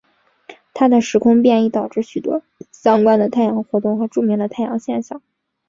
他的时空变异导致许多相关的太阳活动和著名的太阳现象。